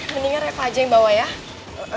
mendingan eva aja yang bawa ya